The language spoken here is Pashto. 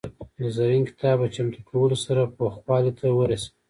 د زرین کتاب په چمتو کولو سره پوخوالي ته ورسېد.